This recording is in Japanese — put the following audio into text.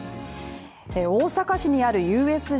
大阪市にあるＵＳＪ